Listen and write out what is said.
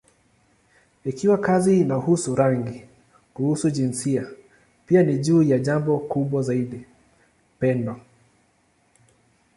Ikiwa kazi inahusu rangi, kuhusu jinsia, pia ni juu ya jambo kubwa zaidi: upendo.